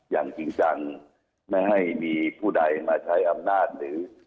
อย่างจริงจังไม่ให้มีผู้ใดมาใช้อำนาจหรือ